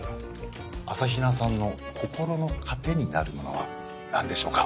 朝日奈さんの心の糧になるものはなんでしょうか？